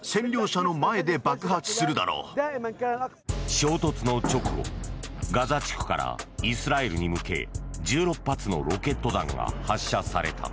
衝突の直後ガザ地区からイスラエルに向け１６発のロケット弾が発射された。